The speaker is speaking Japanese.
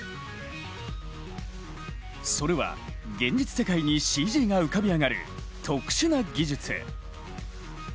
それは現実世界にＣＧが浮かび上がる特殊な技術。